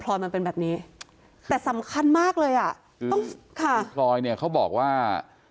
มันเป็นแบบนี้แต่สำคัญมากเลยอ่ะต้องค่ะคือพลอยเนี่ยเขาบอกว่า